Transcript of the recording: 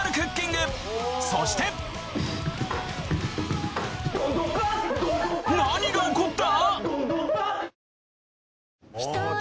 そして何が起こった？